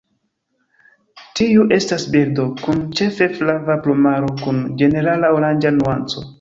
Tiu estas birdo, kun ĉefe flava plumaro kun ĝenerala oranĝa nuanco.